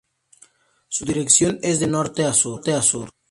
Su dirección es de norte a sur.